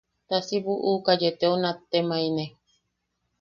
Ta si buʼuka yeeteu nattemaene.